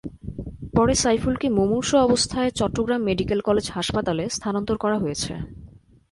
পরে সাইফুলকে মুমূর্ষু অবস্থায় চট্টগ্রাম মেডিকেল কলেজ হাসপাতালে স্থানান্তর করা হয়েছে।